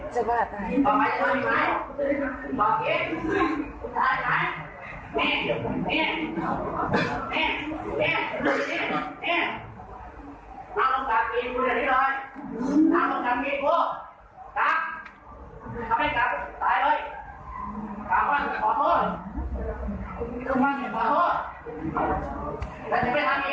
เจ็บบ้าตาย